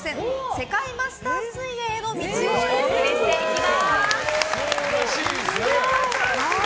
世界マスターズ水泳への道をお送りします。